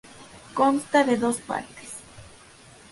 Consta de dos partes.